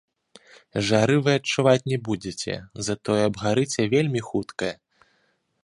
Жары вы адчуваць не будзеце, затое абгарыце вельмі хутка.